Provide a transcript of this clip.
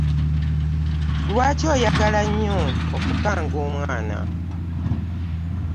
Lwaki oyagala nnyo okukanga omwana?